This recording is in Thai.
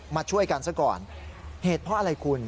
มาช่วยกันซะก่อนเหตุเพราะอะไรคุณ